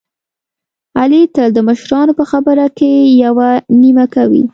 علي تل د مشرانو په خبره کې یوه نیمه کوي.